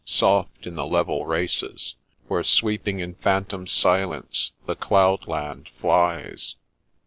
Soft in the level races, Where sweeping in phantom silence the cloudland flies."